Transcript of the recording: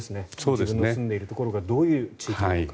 自分の住んでいるところがどういう地域なのか。